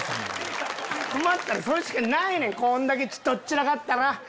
困ったらそれしかないねんこんだけとっ散らかったら。